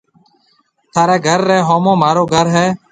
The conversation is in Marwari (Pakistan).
ٿارَي گهر ريَ هومون مهارو گهر هيَ۔